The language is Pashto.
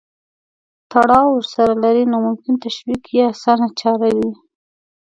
تړاو ورسره لري نو ممکن تشویق یې اسانه چاره وي.